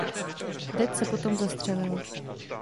Dead se potom zastřelil.